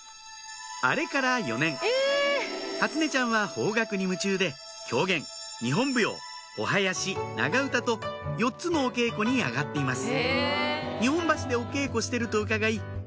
初音ちゃんは邦楽に夢中で狂言日本舞踊お囃子長唄と４つのお稽古に上がっています